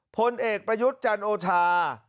พลเอกประยุทธ์จันโอชา